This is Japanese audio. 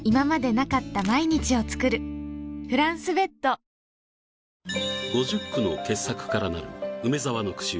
ポリグリップ５０句の傑作からなる梅沢の句集